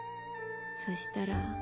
そしたら。